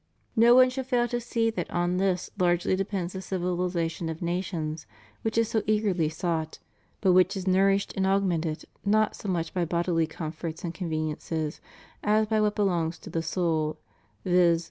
No one should fail to see that on this largely depends the civilization of nations, which is so eagerly sought, but which is nourished and augmented not so much by bodily comforts and conveniences, as by what belongs to the soul, viz.